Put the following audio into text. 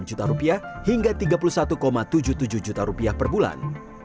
sebelas sembilan puluh enam juta rupiah hingga tiga puluh satu tujuh puluh tujuh juta rupiah per bulan